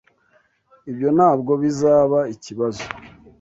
Ibyo ntabwo bizaba ikibazo.